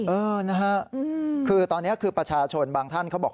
เออนะฮะคือตอนนี้คือประชาชนบางท่านเขาบอก